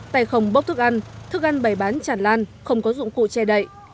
tài không bốc thức ăn thức ăn bày bán chản lan không có dụng cụ che đậy